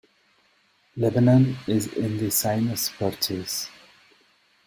Lebanon is in the Symmes Purchase.